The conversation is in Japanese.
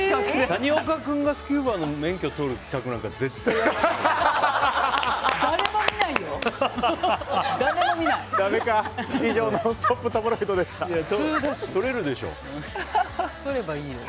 谷岡君がスキューバの免許取る企画なんか誰も見ないよ。